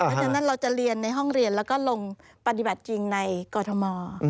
เพราะฉะนั้นเราจะเรียนในห้องเรียนแล้วก็ลงปฏิบัติจริงในกรทม